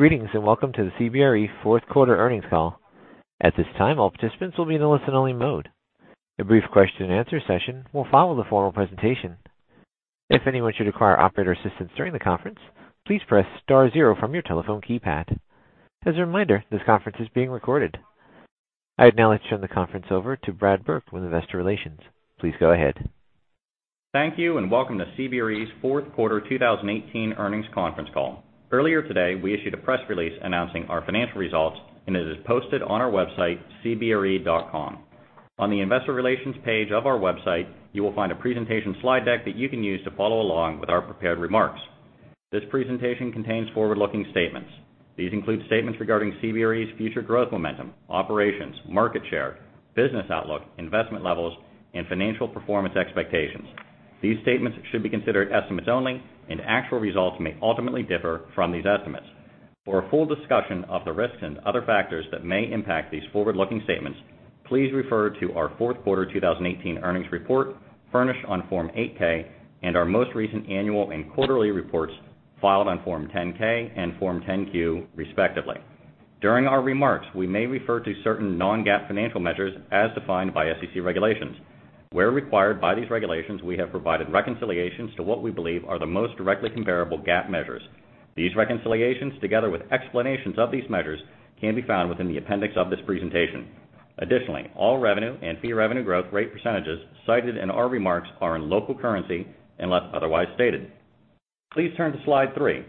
Greetings, welcome to the CBRE Fourth Quarter Earnings Call. At this time, all participants will be in a listen-only mode. A brief question and answer session will follow the formal presentation. If anyone should require operator assistance during the conference, please press star zero from your telephone keypad. As a reminder, this conference is being recorded. I'd now like to turn the conference over to Brad Burke with Investor Relations. Please go ahead. Thank you, welcome to CBRE's fourth quarter 2018 earnings conference call. Earlier today, we issued a press release announcing our financial results. It is posted on our website, cbre.com. On the Investor Relations page of our website, you will find a presentation slide deck that you can use to follow along with our prepared remarks. This presentation contains forward-looking statements. These include statements regarding CBRE's future growth momentum, operations, market share, business outlook, investment levels, and financial performance expectations. These statements should be considered estimates only. Actual results may ultimately differ from these estimates. For a full discussion of the risks and other factors that may impact these forward-looking statements, please refer to our fourth quarter 2018 earnings report, furnished on Form 8-K, our most recent annual and quarterly reports filed on Form 10-K and Form 10-Q, respectively. During our remarks, we may refer to certain non-GAAP financial measures as defined by SEC regulations. Where required by these regulations, we have provided reconciliations to what we believe are the most directly comparable GAAP measures. These reconciliations, together with explanations of these measures, can be found within the appendix of this presentation. Additionally, all revenue and fee revenue growth rate percentages cited in our remarks are in local currency unless otherwise stated. Please turn to Slide three.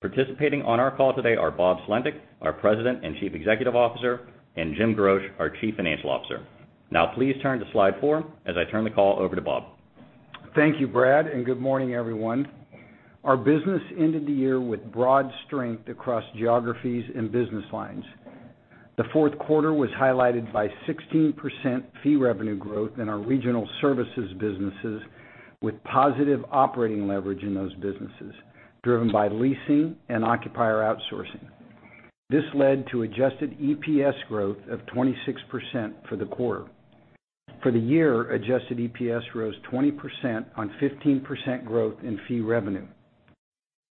Participating on our call today are Bob Sulentic, our President and Chief Executive Officer, and Jim Groch, our Chief Financial Officer. Please turn to Slide four as I turn the call over to Bob. Thank you, Brad, good morning, everyone. Our business ended the year with broad strength across geographies and business lines. The fourth quarter was highlighted by 16% fee revenue growth in our regional services businesses, with positive operating leverage in those businesses, driven by leasing and occupier outsourcing. This led to adjusted EPS growth of 26% for the quarter. For the year, adjusted EPS rose 20% on 15% growth in fee revenue.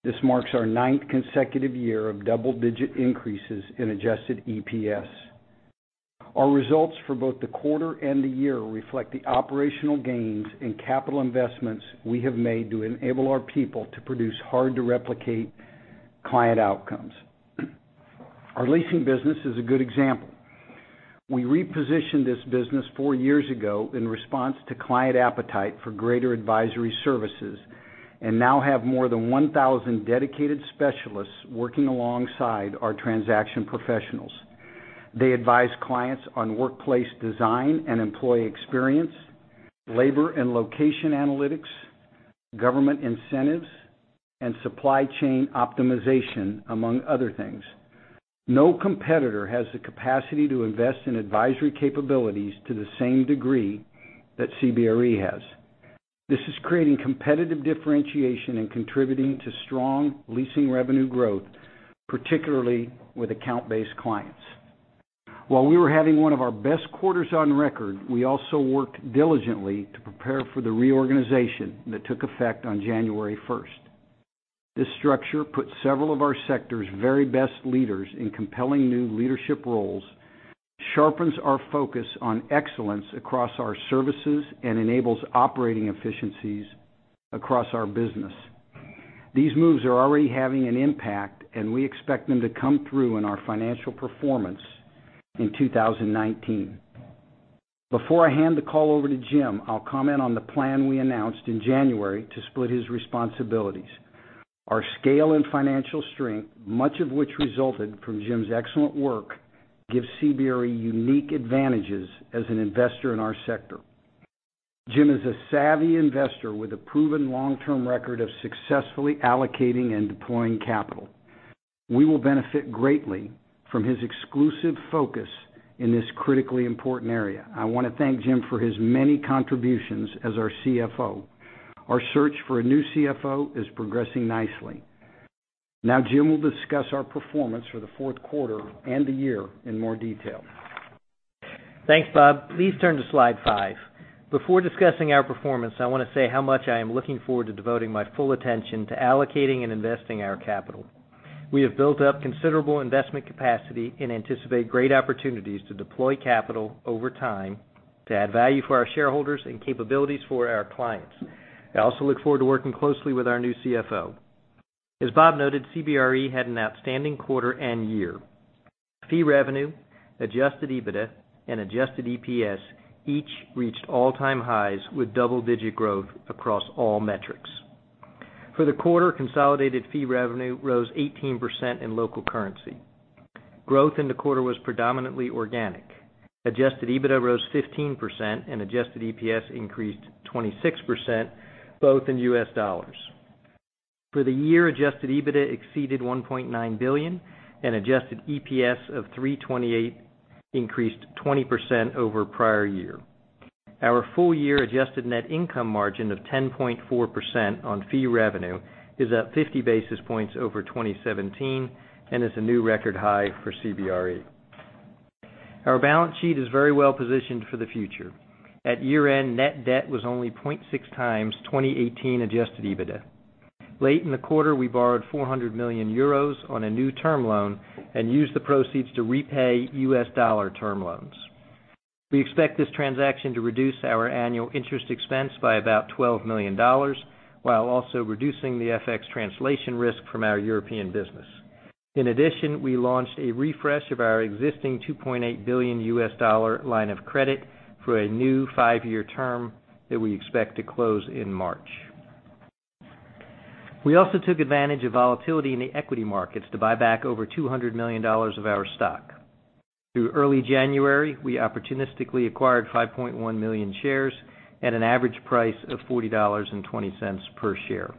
This marks our ninth consecutive year of double-digit increases in adjusted EPS. Our results for both the quarter and the year reflect the operational gains and capital investments we have made to enable our people to produce hard-to-replicate client outcomes. Our leasing business is a good example. We repositioned this business four years ago in response to client appetite for greater advisory services and now have more than 1,000 dedicated specialists working alongside our transaction professionals. They advise clients on workplace design and employee experience, labor and location analytics, government incentives, and supply chain optimization, among other things. No competitor has the capacity to invest in advisory capabilities to the same degree that CBRE has. This is creating competitive differentiation and contributing to strong leasing revenue growth, particularly with account-based clients. While we were having one of our best quarters on record, we also worked diligently to prepare for the reorganization that took effect on January 1st. This structure put several of our sector's very best leaders in compelling new leadership roles, sharpens our focus on excellence across our services, and enables operating efficiencies across our business. These moves are already having an impact, and we expect them to come through in our financial performance in 2019. Before I hand the call over to Jim, I'll comment on the plan we announced in January to split his responsibilities. Our scale and financial strength, much of which resulted from Jim's excellent work, gives CBRE unique advantages as an investor in our sector. Jim is a savvy investor with a proven long-term record of successfully allocating and deploying capital. We will benefit greatly from his exclusive focus in this critically important area. I want to thank Jim for his many contributions as our CFO. Our search for a new CFO is progressing nicely. Jim will discuss our performance for the fourth quarter and the year in more detail. Thanks, Bob. Please turn to Slide five. Before discussing our performance, I want to say how much I am looking forward to devoting my full attention to allocating and investing our capital. We have built up considerable investment capacity and anticipate great opportunities to deploy capital over time to add value for our shareholders and capabilities for our clients. I also look forward to working closely with our new CFO. As Bob noted, CBRE had an outstanding quarter and year. Fee revenue, adjusted EBITDA, and adjusted EPS each reached all-time highs with double-digit growth across all metrics. For the quarter, consolidated fee revenue rose 18% in local currency. Growth in the quarter was predominantly organic. Adjusted EBITDA rose 15%, and adjusted EPS increased 26%, both in U.S. dollars. For the year, adjusted EBITDA exceeded $1.9 billion, and adjusted EPS of $3.28 increased 20% over prior year. Our full-year adjusted net income margin of 10.4% on fee revenue is up 50 basis points over 2017 and is a new record high for CBRE. Our balance sheet is very well positioned for the future. At year-end, net debt was only 0.6x 2018 adjusted EBITDA. Late in the quarter, we borrowed 400 million euros on a new term loan and used the proceeds to repay U.S. dollar term loans. We expect this transaction to reduce our annual interest expense by about $12 million, while also reducing the FX translation risk from our European business. In addition, we launched a refresh of our existing $2.8 billion U.S. dollar line of credit for a new five-year term that we expect to close in March. We also took advantage of volatility in the equity markets to buy back over $200 million of our stock. Through early January, we opportunistically acquired 5.1 million shares at an average price of $40.20 per share.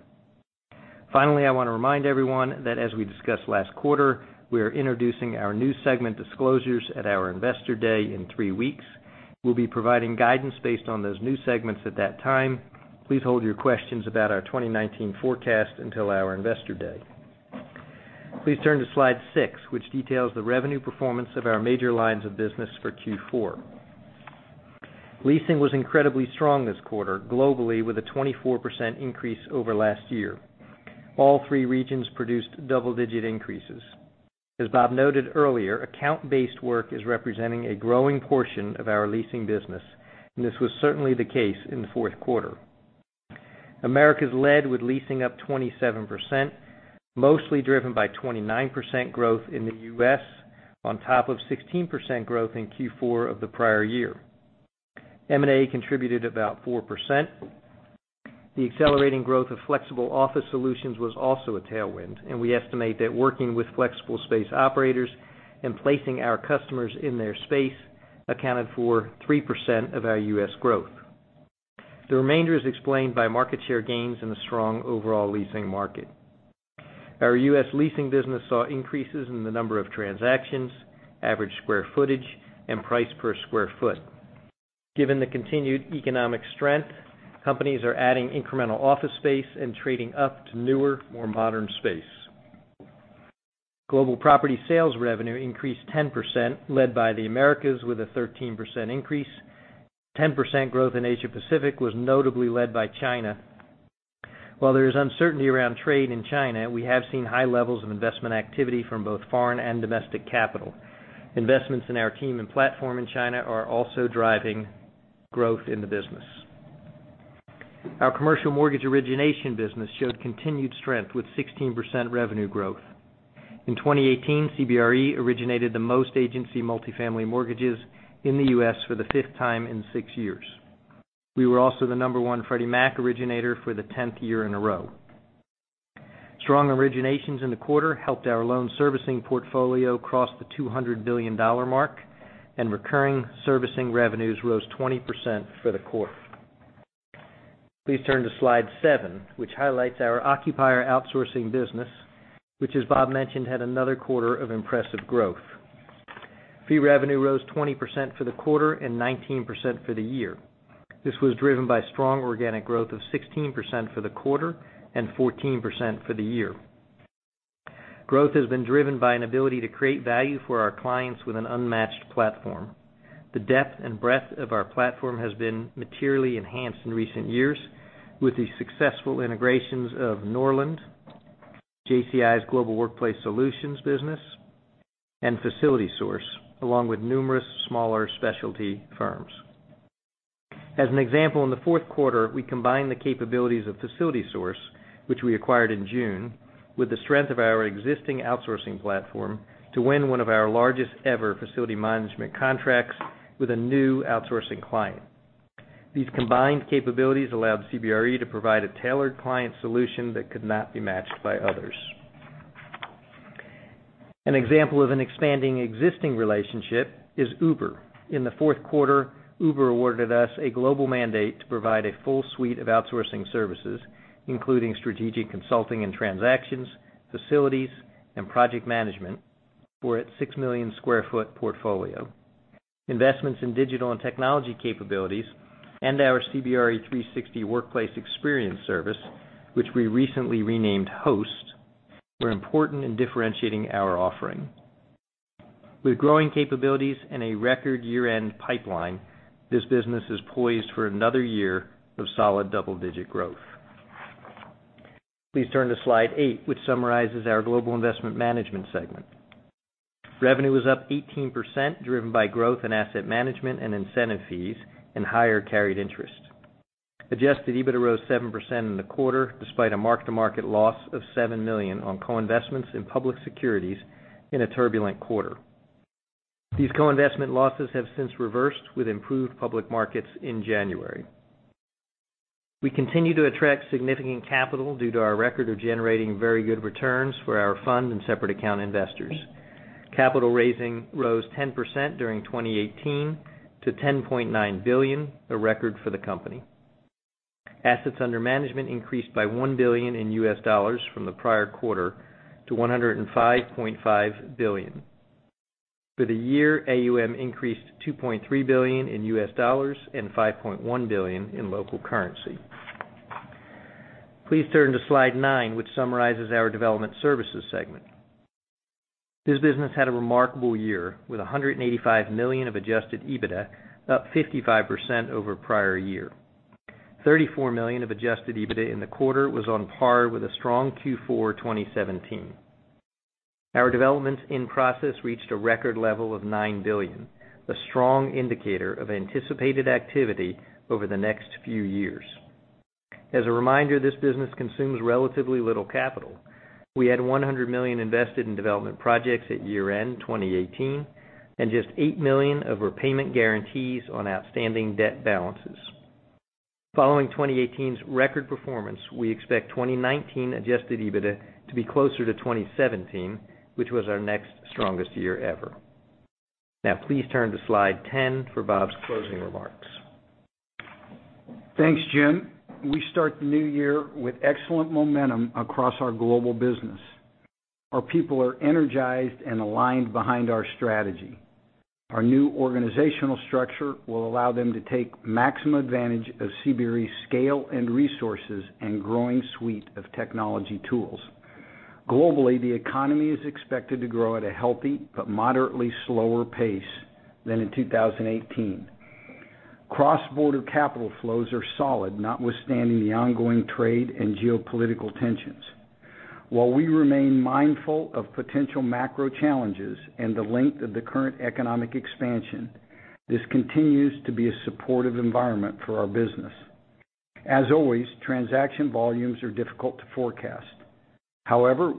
Finally, I want to remind everyone that as we discussed last quarter, we are introducing our new segment disclosures at our Investor Day in three weeks. We will be providing guidance based on those new segments at that time. Please hold your questions about our 2019 forecast until our Investor Day. Please turn to slide six, which details the revenue performance of our major lines of business for Q4. Leasing was incredibly strong this quarter, globally, with a 24% increase over last year. All three regions produced double-digit increases. As Bob noted earlier, account-based work is representing a growing portion of our leasing business, and this was certainly the case in the fourth quarter. Americas led with leasing up 27%, mostly driven by 29% growth in the U.S., on top of 16% growth in Q4 of the prior year. M&A contributed about 4%. The accelerating growth of flexible office solutions was also a tailwind, and we estimate that working with flexible space operators and placing our customers in their space accounted for 3% of our U.S. growth. The remainder is explained by market share gains in the strong overall leasing market. Our U.S. leasing business saw increases in the number of transactions, average square footage, and price per square foot. Given the continued economic strength, companies are adding incremental office space and trading up to newer, more modern space. Global property sales revenue increased 10%, led by the Americas with a 13% increase. 10% growth in Asia Pacific was notably led by China. While there is uncertainty around trade in China, we have seen high levels of investment activity from both foreign and domestic capital. Investments in our team and platform in China are also driving growth in the business. Our commercial mortgage origination business showed continued strength with 16% revenue growth. In 2018, CBRE originated the most agency multifamily mortgages in the U.S. for the fifth time in six years. We were also the number one Freddie Mac originator for the 10th year in a row. Strong originations in the quarter helped our loan servicing portfolio cross the $200 billion mark, and recurring servicing revenues rose 20% for the quarter. Please turn to slide seven, which highlights our occupier outsourcing business, which as Bob mentioned, had another quarter of impressive growth. Fee revenue rose 20% for the quarter and 19% for the year. This was driven by strong organic growth of 16% for the quarter and 14% for the year. Growth has been driven by an ability to create value for our clients with an unmatched platform. The depth and breadth of our platform has been materially enhanced in recent years with the successful integrations of Norland, JCI's Global Workplace Solutions business, and FacilitySource, along with numerous smaller specialty firms. As an example, in the fourth quarter, we combined the capabilities of FacilitySource, which we acquired in June, with the strength of our existing outsourcing platform to win one of our largest-ever facility management contracts with a new outsourcing client. These combined capabilities allowed CBRE to provide a tailored client solution that could not be matched by others. An example of an expanding existing relationship is Uber. In the fourth quarter, Uber awarded us a global mandate to provide a full suite of outsourcing services, including strategic consulting and transactions, facilities, and project management for its 6 million sq ft portfolio. Investments in digital and technology capabilities and our CBRE 360 Workplace Experience service, which we recently renamed Host, were important in differentiating our offering. With growing capabilities and a record year-end pipeline, this business is poised for another year of solid double-digit growth. Please turn to slide eight, which summarizes our global investment management segment. Revenue was up 18%, driven by growth in asset management and incentive fees and higher carried interest. Adjusted EBITDA rose 7% in the quarter, despite a mark-to-market loss of $7 million on co-investments in public securities in a turbulent quarter. These co-investment losses have since reversed with improved public markets in January. We continue to attract significant capital due to our record of generating very good returns for our fund and separate account investors. Capital raising rose 10% during 2018 to $10.9 billion, a record for the company. Assets under management increased by $1 billion in U.S. dollars from the prior quarter to $105.5 billion. For the year, AUM increased $2.3 billion in U.S. dollars and $5.1 billion in local currency. Please turn to slide nine, which summarizes our development services segment. This business had a remarkable year, with $185 million of adjusted EBITDA, up 55% over prior year. $34 million of adjusted EBITDA in the quarter was on par with a strong Q4 2017. Our developments in process reached a record level of $9 billion, a strong indicator of anticipated activity over the next few years. As a reminder, this business consumes relatively little capital. We had $100 million invested in development projects at year-end 2018 and just $8 million of repayment guarantees on outstanding debt balances. Following 2018's record performance, we expect 2019 adjusted EBITDA to be closer to 2017, which was our next strongest year ever. Please turn to slide 10 for Bob's closing remarks. Thanks, Jim. We start the new year with excellent momentum across our global business. Our people are energized and aligned behind our strategy. Our new organizational structure will allow them to take maximum advantage of CBRE's scale and resources and growing suite of technology tools. Globally, the economy is expected to grow at a healthy but moderately slower pace than in 2018. Cross-border capital flows are solid, notwithstanding the ongoing trade and geopolitical tensions. While we remain mindful of potential macro challenges and the length of the current economic expansion, this continues to be a supportive environment for our business. As always, transaction volumes are difficult to forecast.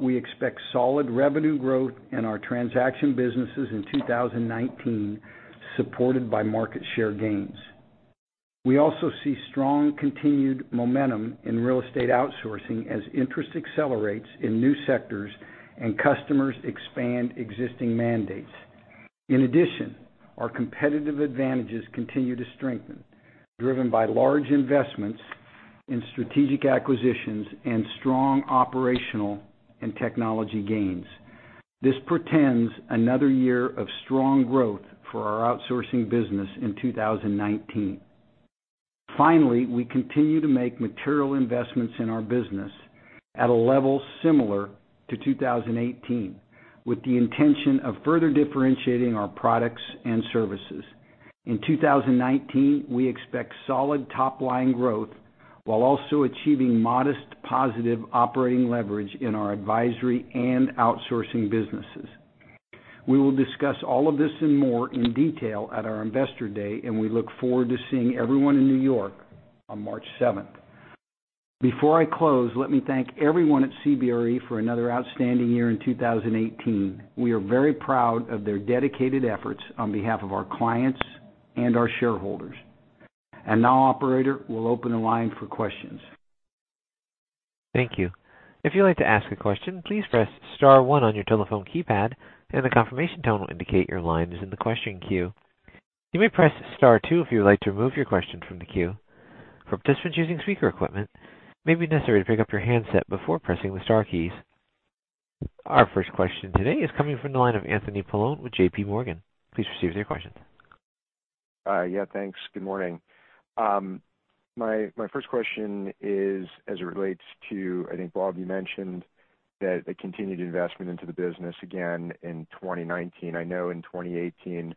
We expect solid revenue growth in our transaction businesses in 2019, supported by market share gains. We also see strong continued momentum in real estate outsourcing as interest accelerates in new sectors and customers expand existing mandates. In addition, our competitive advantages continue to strengthen, driven by large investments in strategic acquisitions and strong operational and technology gains. This portends another year of strong growth for our outsourcing business in 2019. Finally, we continue to make material investments in our business at a level similar to 2018, with the intention of further differentiating our products and services. In 2019, we expect solid top-line growth while also achieving modest positive operating leverage in our advisory and outsourcing businesses. We will discuss all of this and more in detail at our Investor Day, and we look forward to seeing everyone in New York on March 7th. Before I close, let me thank everyone at CBRE for another outstanding year in 2018. We are very proud of their dedicated efforts on behalf of our clients and our shareholders. Now, operator, we'll open the line for questions. Thank you. If you'd like to ask a question, please press star one on your telephone keypad, and a confirmation tone will indicate your line is in the question queue. You may press star two if you would like to remove your question from the queue. For participants using speaker equipment, it may be necessary to pick up your handset before pressing the star keys. Our first question today is coming from the line of Anthony Paolone with JPMorgan. Please proceed with your question. Yeah, thanks. Good morning. My first question is as it relates to, I think, Bob, you mentioned that the continued investment into the business again in 2019. I know in 2018,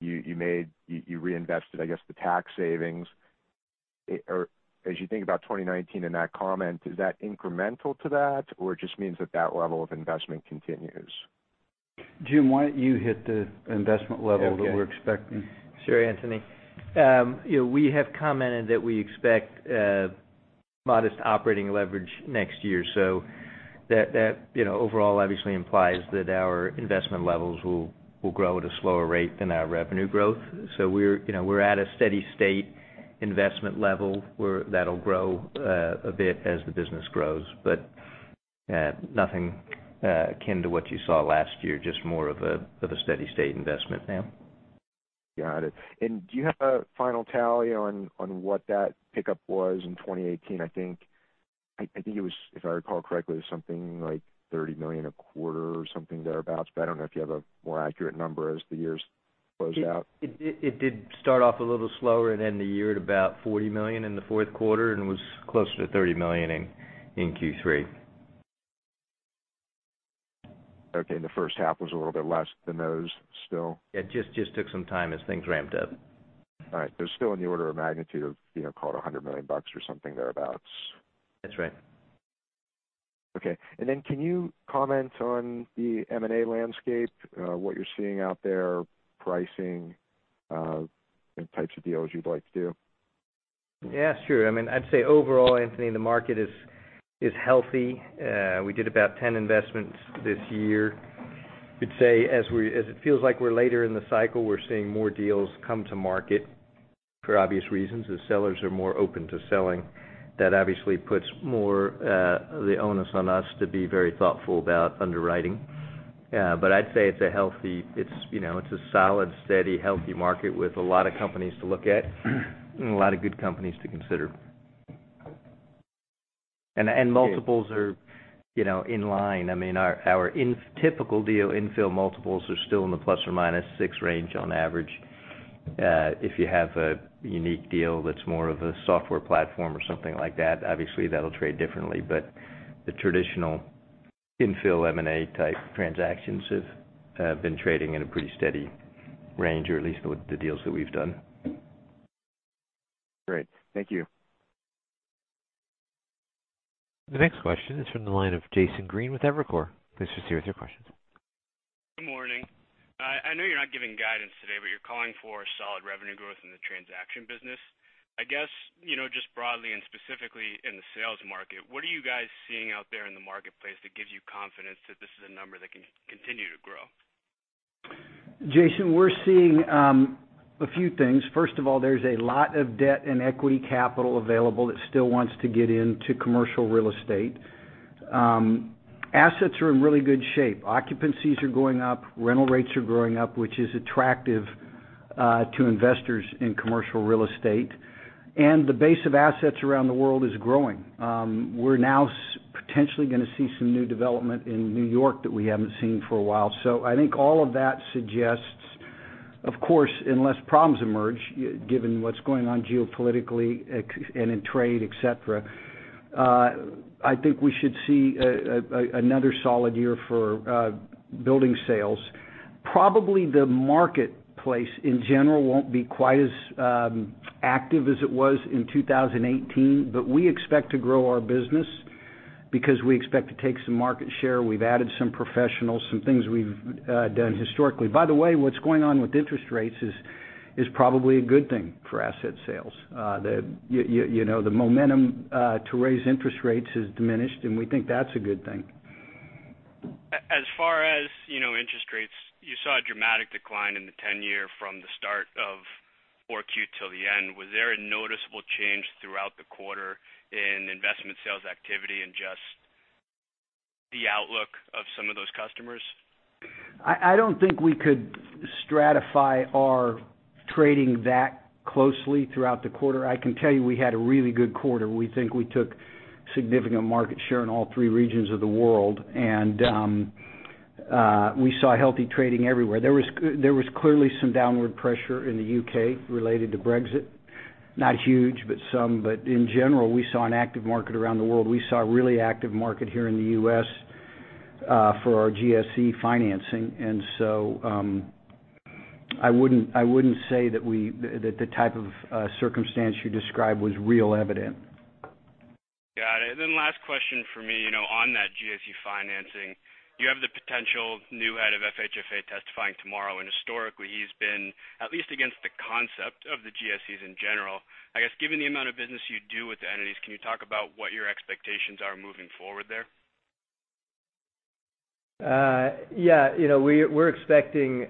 you reinvested, I guess, the tax savings. As you think about 2019 and that comment, is that incremental to that, or it just means that that level of investment continues? Jim, why don't you hit the investment level that we're expecting? Sure, Anthony. We have commented that we expect modest operating leverage next year, that overall obviously implies that our investment levels will grow at a slower rate than our revenue growth. We're at a steady state investment level where that'll grow a bit as the business grows. Nothing akin to what you saw last year, just more of a steady state investment now. Got it. Do you have a final tally on what that pickup was in 2018? I think it was, if I recall correctly, something like $30 million a quarter or something thereabouts, I don't know if you have a more accurate number as the years close out. It did start off a little slower and end the year at about $40 million in the fourth quarter and was closer to $30 million in Q3. Okay, the first half was a little bit less than those still? It just took some time as things ramped up. All right. Still in the order of magnitude of call it $100 million or something thereabouts. That's right. Okay. Can you comment on the M&A landscape, what you're seeing out there, pricing, and types of deals you'd like to do? Yeah, sure. I'd say overall, Anthony, the market is healthy. We did about 10 investments this year. I would say as it feels like we're later in the cycle, we're seeing more deals come to market for obvious reasons, as sellers are more open to selling. That obviously puts more of the onus on us to be very thoughtful about underwriting. I'd say it's a solid, steady, healthy market with a lot of companies to look at and a lot of good companies to consider. Multiples are in line. Our typical deal infill multiples are still in the plus or minus six range on average. If you have a unique deal that's more of a software platform or something like that, obviously that'll trade differently. The traditional infill M&A type transactions have been trading at a pretty steady range, or at least with the deals that we've done. Great. Thank you. The next question is from the line of Jason Green with Evercore. Please proceed with your questions. Good morning. I know you're not giving guidance today. You're calling for solid revenue growth in the transaction business. I guess, just broadly and specifically in the sales market, what are you guys seeing out there in the marketplace that gives you confidence that this is a number that can continue to grow? Jason, we're seeing a few things. First of all, there's a lot of debt and equity capital available that still wants to get into commercial real estate. Assets are in really good shape. Occupancies are going up, rental rates are going up, which is attractive to investors in commercial real estate, and the base of assets around the world is growing. We're now potentially going to see some new development in New York that we haven't seen for a while. I think all of that suggests, of course, unless problems emerge, given what's going on geopolitically and in trade, et cetera, I think we should see another solid year for building sales. Probably the marketplace in general won't be quite as active as it was in 2018. We expect to grow our business because we expect to take some market share. We've added some professionals, some things we've done historically. By the way, what's going on with interest rates is probably a good thing for asset sales. The momentum to raise interest rates has diminished, and we think that's a good thing. As far as interest rates, you saw a dramatic decline in the 10-year from the start of 4Q till the end. Was there a noticeable change throughout the quarter in investment sales activity and just the outlook of some of those customers? I don't think we could stratify our trading that closely throughout the quarter. I can tell you we had a really good quarter. We think we took significant market share in all three regions of the world, and we saw healthy trading everywhere. There was clearly some downward pressure in the U.K. related to Brexit. Not huge, but some. In general, we saw an active market around the world. We saw a really active market here in the U.S. for our GSE financing. I wouldn't say that the type of circumstance you described was real evident. Got it. Last question from me. On that GSE financing, you have the potential new head of FHFA testifying tomorrow, and historically, he's been at least against the concept of the GSEs in general. I guess given the amount of business you do with the entities, can you talk about what your expectations are moving forward there? Yeah. We're expecting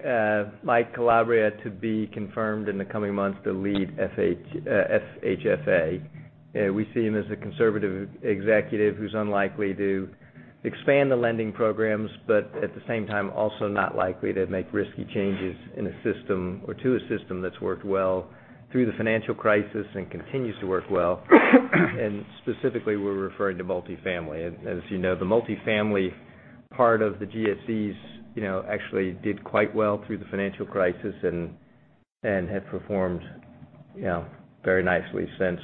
Mark Calabria to be confirmed in the coming months to lead FHFA. We see him as a conservative executive who's unlikely to expand the lending programs, at the same time, also not likely to make risky changes in a system or to a system that's worked well through the financial crisis and continues to work well. Specifically, we're referring to multifamily. As you know, the multifamily part of the GSEs actually did quite well through the financial crisis and have performed very nicely since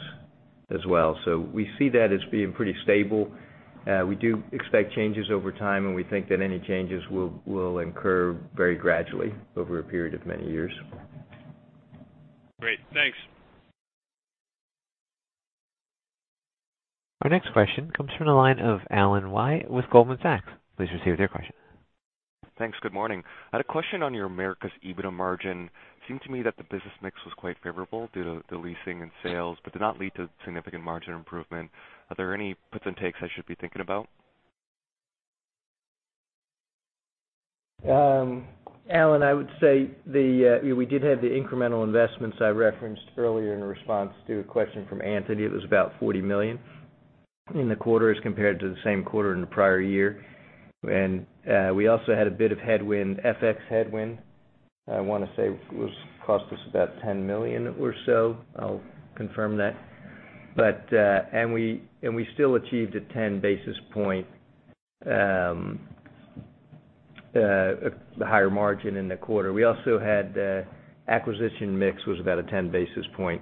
as well. We see that as being pretty stable. We do expect changes over time, we think that any changes will incur very gradually over a period of many years. Great. Thanks. Our next question comes from the line of Alan Wai with Goldman Sachs. Please proceed with your question. Thanks. Good morning. I had a question on your Americas EBITDA margin. Seemed to me that the business mix was quite favorable due to the leasing and sales, but did not lead to significant margin improvement. Are there any puts and takes I should be thinking about? Alan, I would say we did have the incremental investments I referenced earlier in response to a question from Anthony. It was about $40 million in the quarter as compared to the same quarter in the prior year. We also had a bit of FX headwind. I want to say it cost us about $10 million or so. I'll confirm that. We still achieved a 10-basis point higher margin in the quarter. We also had acquisition mix was about a 10-basis point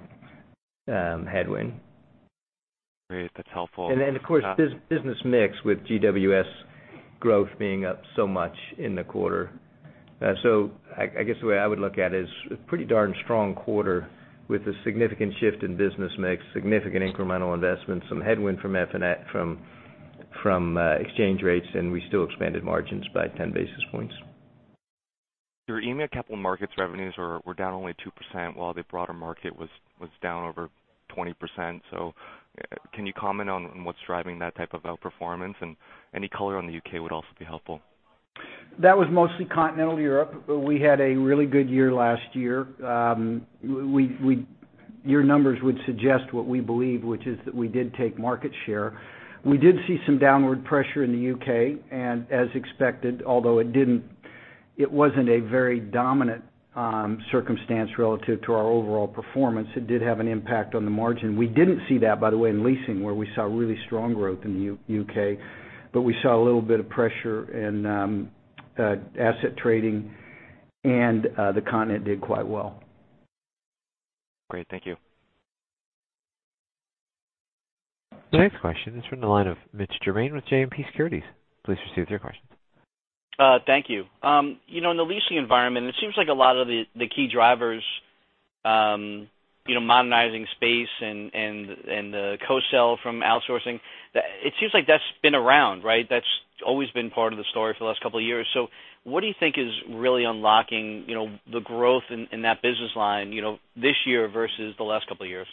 headwind. Great. That's helpful. Then, of course, business mix with GWS growth being up so much in the quarter. I guess the way I would look at it is a pretty darn strong quarter with a significant shift in business mix, significant incremental investments, some headwind from FX from exchange rates, and we still expanded margins by 10 basis points. Your EMEA capital markets revenues were down only 2% while the broader market was down over 20%. Can you comment on what's driving that type of outperformance, and any color on the U.K. would also be helpful. That was mostly Continental Europe. We had a really good year last year. Your numbers would suggest what we believe, which is that we did take market share. We did see some downward pressure in the U.K., and as expected, although it wasn't a very dominant circumstance relative to our overall performance. It did have an impact on the margin. We didn't see that, by the way, in leasing, where we saw really strong growth in the U.K., but we saw a little bit of pressure in asset trading and the continent did quite well. Great. Thank you. The next question is from the line of Mitch Germain with JMP Securities. Please proceed with your questions. Thank you. In the leasing environment, it seems like a lot of the key drivers, modernizing space and the co-sell from outsourcing, it seems like that's been around, right? That's always been part of the story for the last couple of years. What do you think is really unlocking the growth in that business line this year versus the last couple of years?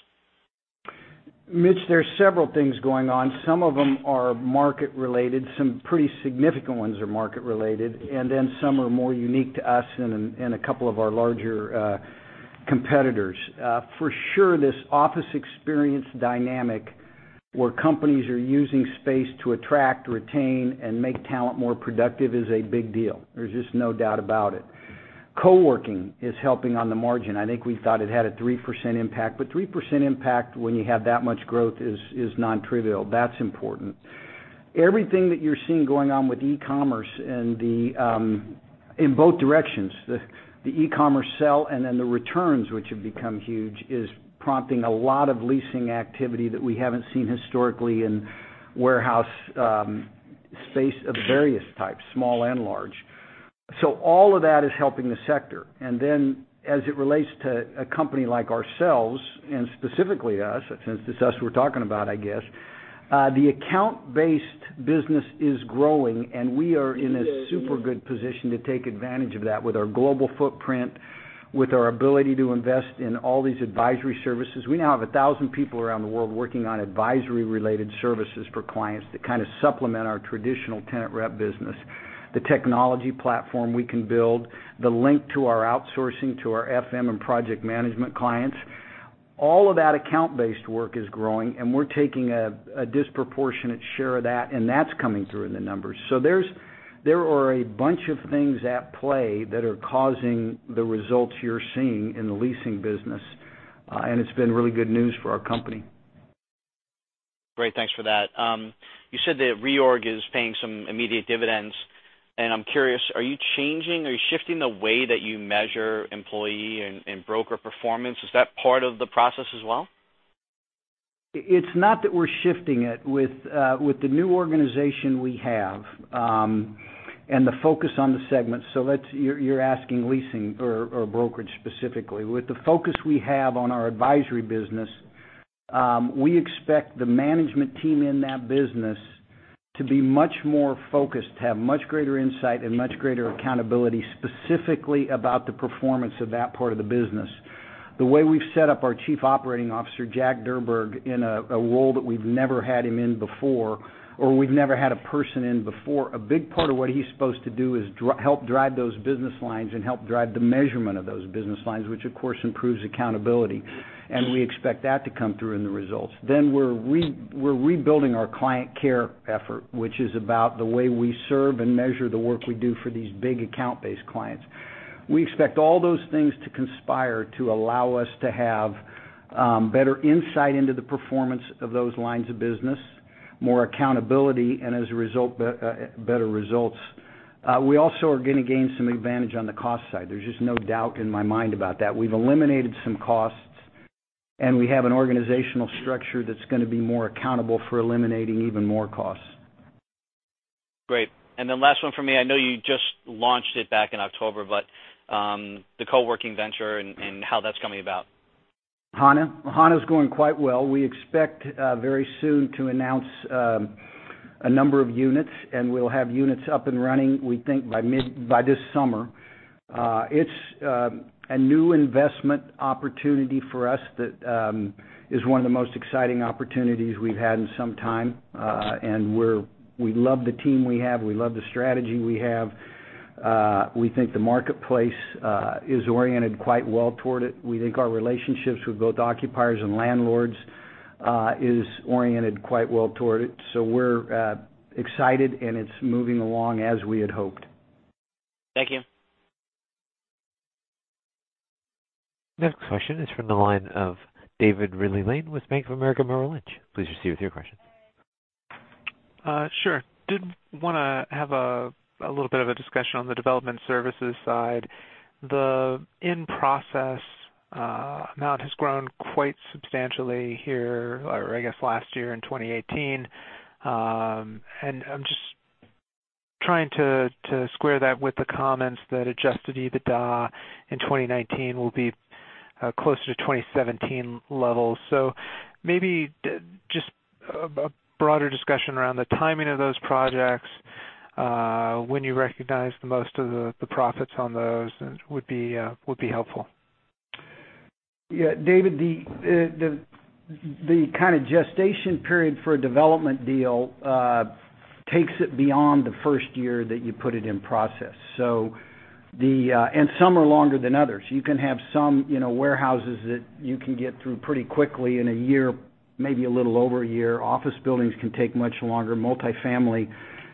Mitch, there's several things going on. Some of them are market related, some pretty significant ones are market related, some are more unique to us and a couple of our larger competitors. For sure, this office experience dynamic where companies are using space to attract, retain, and make talent more productive is a big deal. There's just no doubt about it. Coworking is helping on the margin. I think we thought it had a 3% impact, 3% impact when you have that much growth is non-trivial. That's important. Everything that you're seeing going on with e-commerce in both directions, the e-commerce sell and then the returns, which have become huge, is prompting a lot of leasing activity that we haven't seen historically in warehouse space of various types, small and large. All of that is helping the sector. As it relates to a company like ourselves and specifically us, since it's us we're talking about, I guess, the account-based business is growing, we are in a super good position to take advantage of that with our global footprint, with our ability to invest in all these advisory services. We now have 1,000 people around the world working on advisory-related services for clients to kind of supplement our traditional tenant rep business. The technology platform we can build, the link to our outsourcing, to our FM and project management clients. All of that account-based work is growing, we're taking a disproportionate share of that's coming through in the numbers. There are a bunch of things at play that are causing the results you're seeing in the leasing business, it's been really good news for our company. Great. Thanks for that. You said the reorg is paying some immediate dividends, I'm curious, are you shifting the way that you measure employee and broker performance? Is that part of the process as well? It's not that we're shifting it. With the new organization we have, the focus on the segment. So you're asking leasing or brokerage specifically. With the focus we have on our advisory business, we expect the management team in that business to be much more focused, to have much greater insight and much greater accountability specifically about the performance of that part of the business. The way we've set up our Chief Operating Officer, Jack Durburg, in a role that we've never had him in before, or we've never had a person in before, a big part of what he's supposed to do is help drive those business lines and help drive the measurement of those business lines, which, of course, improves accountability, and we expect that to come through in the results. We're rebuilding our client care effort, which is about the way we serve and measure the work we do for these big account-based clients. We expect all those things to conspire to allow us to have better insight into the performance of those lines of business, more accountability, and as a result, better results. We also are going to gain some advantage on the cost side. There's just no doubt in my mind about that. We've eliminated some costs, and we have an organizational structure that's going to be more accountable for eliminating even more costs. Great. Last one for me. I know you just launched it back in October, the co-working venture and how that's coming about. Hana? Hana's going quite well. We expect very soon to announce a number of units, and we'll have units up and running, we think by this summer. It's a new investment opportunity for us that is one of the most exciting opportunities we've had in some time. We love the team we have. We love the strategy we have. We think the marketplace is oriented quite well toward it. We think our relationships with both occupiers and landlords is oriented quite well toward it. We're excited, and it's moving along as we had hoped. Thank you. Next question is from the line of David Ridley-Lane with Bank of America Merrill Lynch. Please proceed with your question. Sure. Did want to have a little bit of a discussion on the development services side. The in-process amount has grown quite substantially here, or I guess last year in 2018. I'm just trying to square that with the comments that adjusted EBITDA in 2019 will be closer to 2017 levels. Maybe just a broader discussion around the timing of those projects, when you recognize the most of the profits on those would be helpful. Yeah, David, the kind of gestation period for a development deal takes it beyond the first year that you put it in process. Some are longer than others. You can have some warehouses that you can get through pretty quickly in a year, maybe a little over a year. Office buildings can take much longer. Multifamily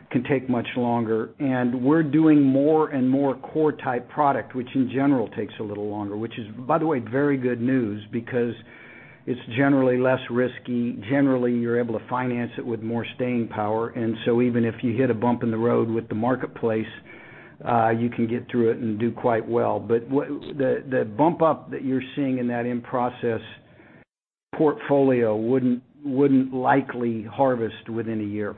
can take much longer. We're doing more and more core type product, which in general takes a little longer, which is, by the way, very good news because it's generally less risky. Generally, you're able to finance it with more staying power. Even if you hit a bump in the road with the marketplace you can get through it and do quite well. The bump up that you're seeing in that in-process portfolio wouldn't likely harvest within a year.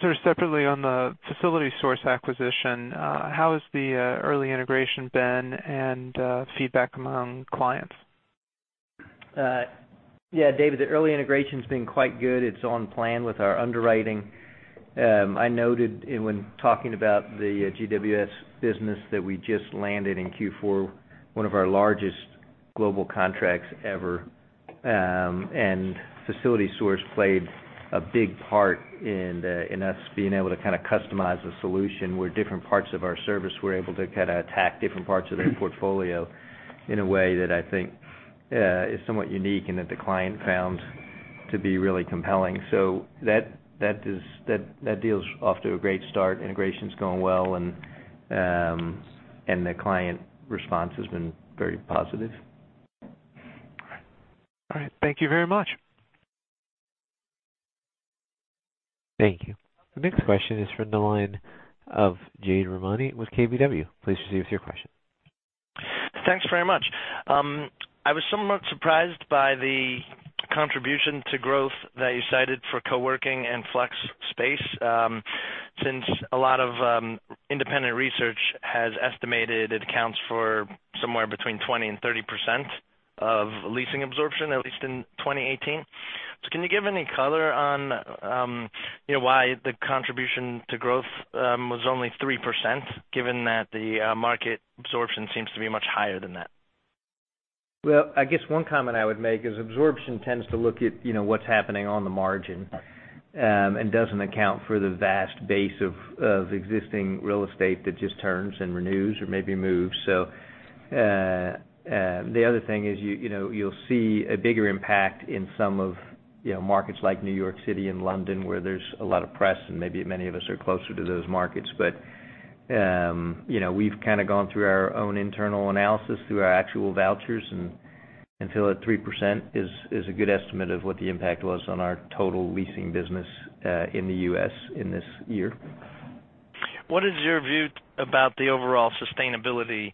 sort of separately on the FacilitySource acquisition, how has the early integration been and feedback among clients? Yeah, David, the early integration's been quite good. It's on plan with our underwriting. I noted when talking about the GWS business that we just landed in Q4, one of our largest global contracts ever. FacilitySource played a big part in us being able to kind of customize a solution where different parts of our service were able to kind of attack different parts of their portfolio in a way that I think is somewhat unique and that the client found to be really compelling. That deal's off to a great start. Integration's going well, and the client response has been very positive. All right. Thank you very much. Thank you. The next question is from the line of Jade Rahmani with KBW. Please proceed with your question. Thanks very much. I was somewhat surprised by the contribution to growth that you cited for co-working and flex space, since a lot of independent research has estimated it accounts for somewhere between 20% and 30% of leasing absorption, at least in 2018. Can you give any color on why the contribution to growth was only 3%, given that the market absorption seems to be much higher than that? Well, I guess one comment I would make is absorption tends to look at what's happening on the margin, and doesn't account for the vast base of existing real estate that just turns and renews or maybe moves. The other thing is you'll see a bigger impact in some of markets like New York City and London, where there's a lot of press, and maybe many of us are closer to those markets. We've kind of gone through our own internal analysis through our actual vouchers, and feel that 3% is a good estimate of what the impact was on our total leasing business in the U.S. in this year. What is your view about the overall sustainability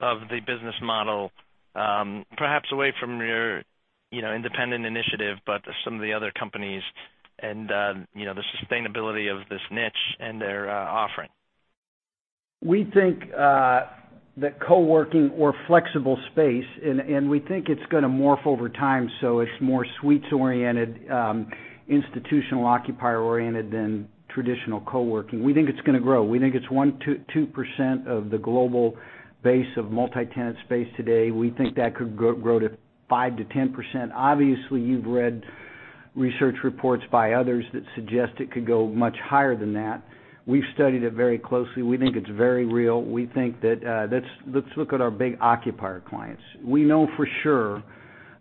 of the business model perhaps away from your independent initiative, but some of the other companies and the sustainability of this niche and their offering? We think that co-working or flexible space, and we think it's going to morph over time, so it's more suites oriented, institutional occupier oriented than traditional co-working. We think it's going to grow. We think it's 2% of the global base of multi-tenant space today. We think that could grow to 5%-10%. Obviously, you've read research reports by others that suggest it could go much higher than that. We've studied it very closely. We think it's very real. Let's look at our big occupier clients. We know for sure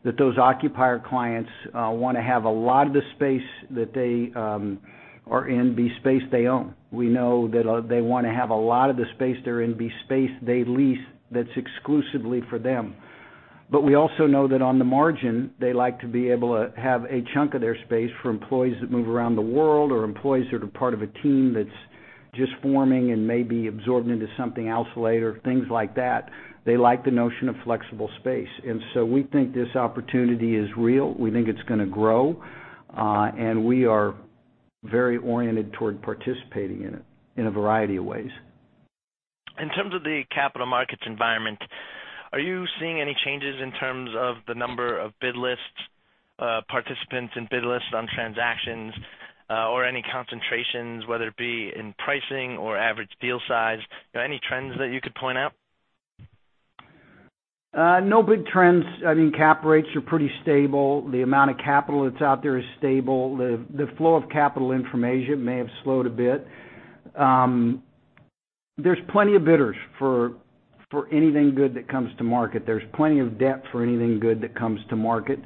that those occupier clients want to have a lot of the space that they are in, be space they own. We know that they want to have a lot of the space they're in, be space they lease that's exclusively for them. We also know that on the margin, they like to be able to have a chunk of their space for employees that move around the world or employees that are part of a team that's just forming and may be absorbed into something else later, things like that. They like the notion of flexible space. We think this opportunity is real. We think it's going to grow. We are very oriented toward participating in it in a variety of ways. In terms of the capital markets environment, are you seeing any changes in terms of the number of bid lists, participants in bid lists on transactions, or any concentrations, whether it be in pricing or average deal size? Any trends that you could point out? No big trends. I mean, cap rates are pretty stable. The amount of capital that's out there is stable. The flow of capital information may have slowed a bit. There's plenty of bidders for anything good that comes to market. There's plenty of debt for anything good that comes to market.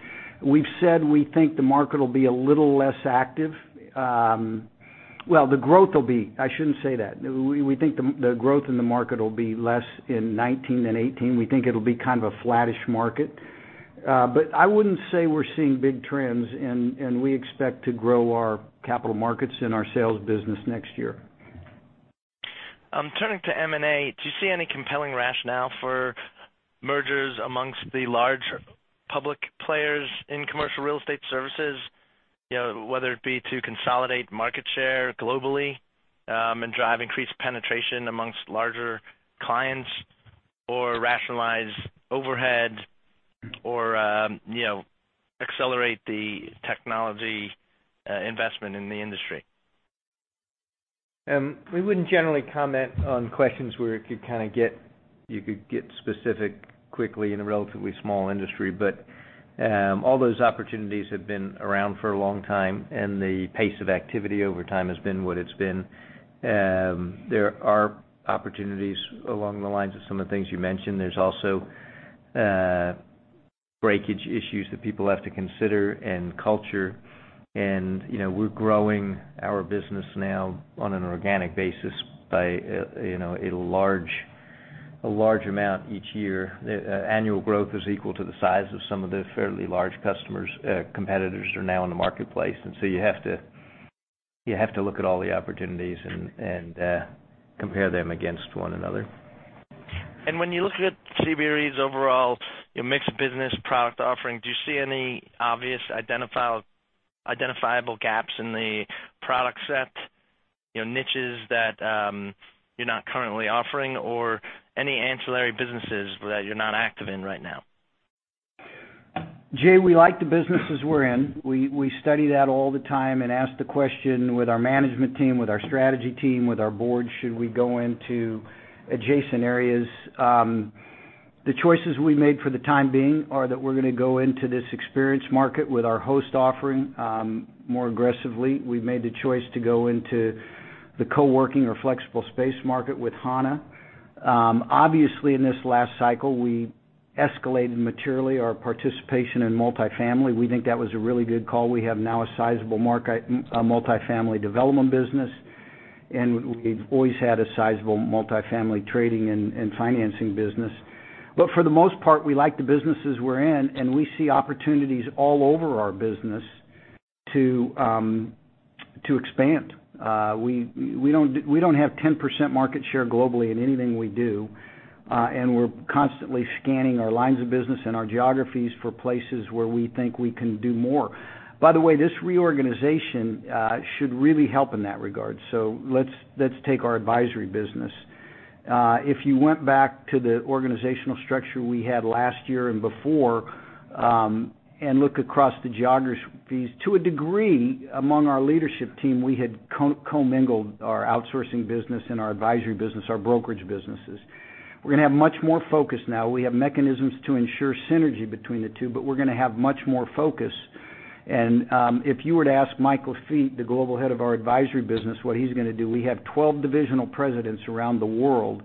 We've said we think the market will be a little less active. We think the growth in the market will be less in 2019 than 2018. We think it'll be kind of a flattish market. I wouldn't say we're seeing big trends, and we expect to grow our capital markets and our sales business next year. Turning to M&A, do you see any compelling rationale for mergers amongst the large public players in commercial real estate services? Whether it be to consolidate market share globally, and drive increased penetration amongst larger clients or rationalize overhead or accelerate the technology investment in the industry. We wouldn't generally comment on questions where you could get specific quickly in a relatively small industry. All those opportunities have been around for a long time, and the pace of activity over time has been what it's been. There are opportunities along the lines of some of the things you mentioned. There's also breakage issues that people have to consider and culture. We're growing our business now on an organic basis by a large amount each year. Annual growth is equal to the size of some of the fairly large competitors that are now in the marketplace. You have to look at all the opportunities and compare them against one another. When you look at CBRE's overall mixed business product offering, do you see any obvious identifiable gaps in the product set, niches that you're not currently offering or any ancillary businesses that you're not active in right now? Jade, we like the businesses we're in. We study that all the time and ask the question with our management team, with our strategy team, with our board, should we go into adjacent areas? The choices we made for the time being are that we're going to go into this experience market with our Host offering, more aggressively. We've made the choice to go into the co-working or flexible space market with Hana. Obviously, in this last cycle, we escalated materially our participation in multifamily. We think that was a really good call. We have now a sizable multifamily development business, and we've always had a sizable multifamily trading and financing business. For the most part, we like the businesses we're in, and we see opportunities all over our business to expand. We don't have 10% market share globally in anything we do. We're constantly scanning our lines of business and our geographies for places where we think we can do more. By the way, this reorganization should really help in that regard. Let's take our advisory business. If you went back to the organizational structure we had last year and before, and look across the geographies, to a degree, among our leadership team, we had commingled our outsourcing business and our advisory business, our brokerage businesses. We're going to have much more focus now. We have mechanisms to ensure synergy between the two, but we're going to have much more focus. If you were to ask Mike Lafitte, the global head of our advisory business, what he's going to do, we have 12 divisional presidents around the world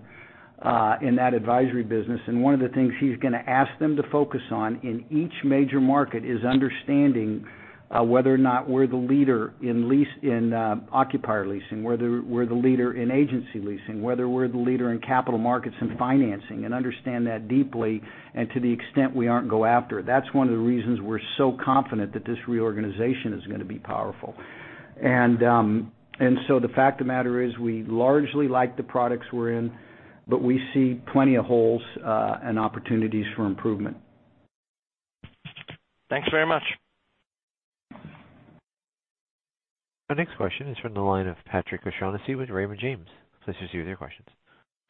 in that advisory business, one of the things he's going to ask them to focus on in each major market is understanding whether or not we're the leader in occupier leasing, whether we're the leader in agency leasing, whether we're the leader in capital markets and financing, and understand that deeply and to the extent we aren't, go after it. That's one of the reasons we're so confident that this reorganization is going to be powerful. The fact of the matter is we largely like the products we're in, but we see plenty of holes and opportunities for improvement. Thanks very much. Our next question is from the line of Patrick O'Shaughnessy with Raymond James. Please proceed with your questions.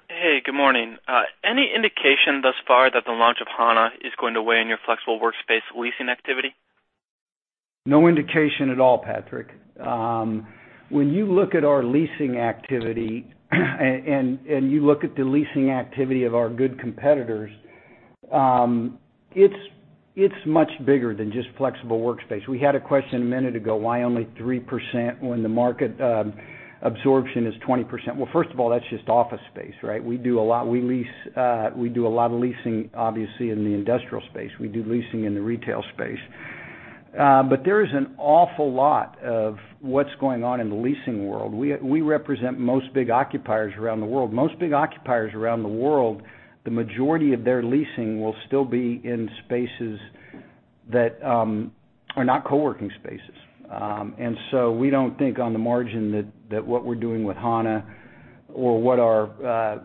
Hey, good morning. Any indication thus far that the launch of Hana is going to weigh in your flexible workspace leasing activity? No indication at all, Patrick. When you look at our leasing activity and you look at the leasing activity of our good competitors, it's much bigger than just flexible workspace. We had a question a minute ago, why only 3% when the market absorption is 20%? First of all, that's just office space, right? We do a lot of leasing, obviously, in the industrial space. We do leasing in the retail space. There is an awful lot of what's going on in the leasing world. We represent most big occupiers around the world. Most big occupiers around the world, the majority of their leasing will still be in spaces that are not co-working spaces. We don't think on the margin that what we're doing with Hana or what our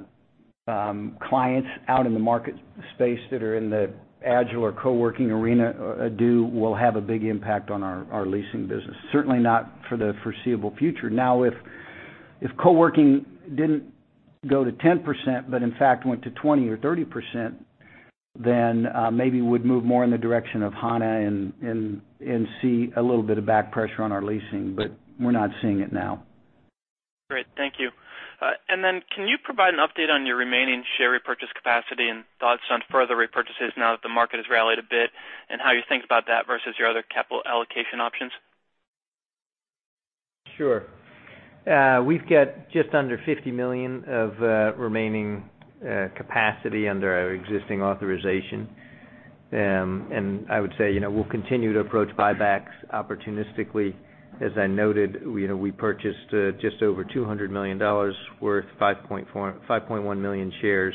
clients out in the market space that are in the agile or co-working arena do will have a big impact on our leasing business. Certainly not for the foreseeable future. If co-working didn't go to 10%, but in fact went to 20 or 30%, maybe we'd move more in the direction of Hana and see a little bit of back pressure on our leasing. We're not seeing it now. Great. Thank you. Can you provide an update on your remaining share repurchase capacity and thoughts on further repurchases now that the market has rallied a bit, and how you think about that versus your other capital allocation options? Sure. We've got just under $50 million of remaining capacity under our existing authorization. I would say, we'll continue to approach buybacks opportunistically. As I noted, we purchased just over $200 million worth 5.1 million shares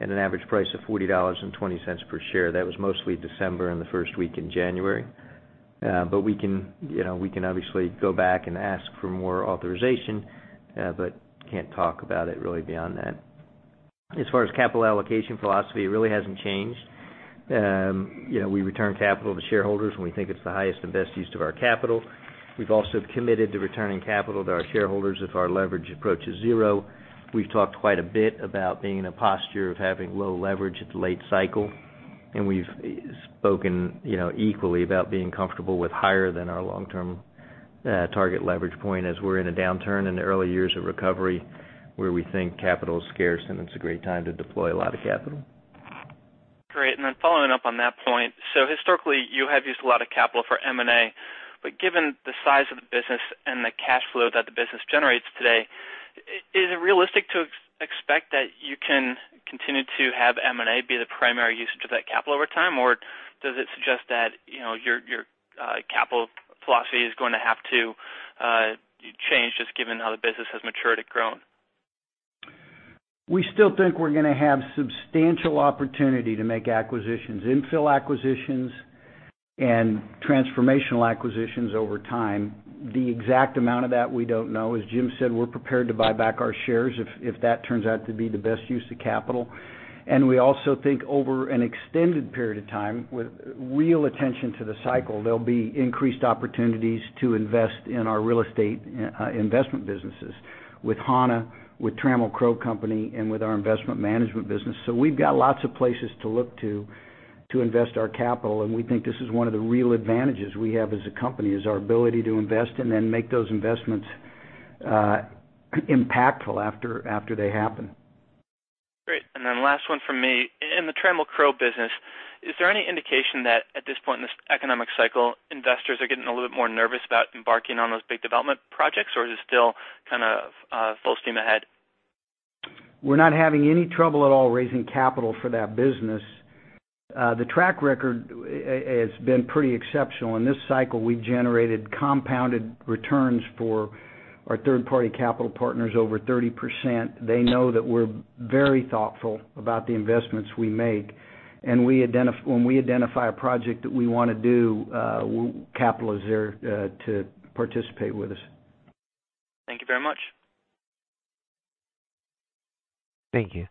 at an average price of $40.20 per share. That was mostly December and the first week in January. We can obviously go back and ask for more authorization, but can't talk about it really beyond that. As far as capital allocation philosophy, it really hasn't changed. We return capital to shareholders when we think it's the highest and best use of our capital. We've also committed to returning capital to our shareholders if our leverage approaches zero. We've talked quite a bit about being in a posture of having low leverage at the late cycle, and we've spoken equally about being comfortable with higher than our long-term target leverage point as we're in a downturn in the early years of recovery where we think capital is scarce and it's a great time to deploy a lot of capital. Great. Following up on that point, historically you have used a lot of capital for M&A, but given the size of the business and the cash flow that the business generates today, is it realistic to expect that you can continue to have M&A be the primary usage of that capital over time, or does it suggest that your capital philosophy is going to have to change just given how the business has matured and grown? We still think we're going to have substantial opportunity to make acquisitions, infill acquisitions and transformational acquisitions over time. The exact amount of that, we don't know. As Jim said, we're prepared to buy back our shares if that turns out to be the best use of capital. We also think over an extended period of time with real attention to the cycle, there'll be increased opportunities to invest in our real estate investment businesses with Hana, with Trammell Crow Company, and with our investment management business. We've got lots of places to look to invest our capital, and we think this is one of the real advantages we have as a company, is our ability to invest and then make those investments impactful after they happen. Great. Last one from me. In the Trammell Crow business, is there any indication that at this point in this economic cycle, investors are getting a little bit more nervous about embarking on those big development projects, or is it still kind of full steam ahead? We're not having any trouble at all raising capital for that business. The track record has been pretty exceptional. In this cycle, we've generated compounded returns for our third-party capital partners over 30%. They know that we're very thoughtful about the investments we make. When we identify a project that we want to do, capital is there to participate with us. Thank you very much. Thank you.